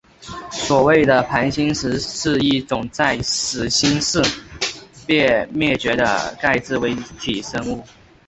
所谓的盘星石是一种在始新世便绝种的钙质微体生物。